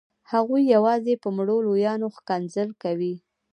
هغوی یوازې په مړو لویان ښکنځل کوي.